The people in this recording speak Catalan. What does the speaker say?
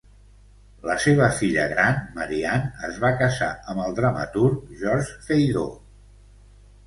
La seva filla gran, Marie-Anne, es va casar amb el dramaturg Georges Feydeau.